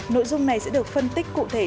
nội dung này sẽ được phân tích cụ thể